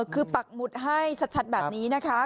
คือปักหมุดให้ชัดแบบนี้นะคะ